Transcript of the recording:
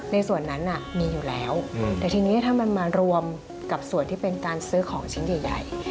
ในส่วนนั้นมีอยู่แล้วแต่ทีนี้ถ้ามันมารวมกับส่วนที่เป็นการซื้อของชิ้นใหญ่